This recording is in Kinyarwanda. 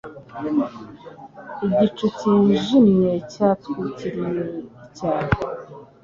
Igicu cyijimye cyatwikiriye icyaro.